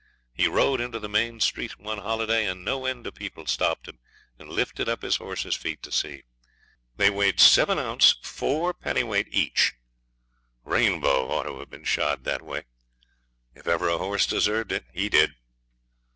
He rode into the main street one holiday, and no end of people stopped him and lifted up his horse's feet to see. They weighed 7 oz. 4 dwt. each. Rainbow ought to have been shod that way. If ever a horse deserved it he did.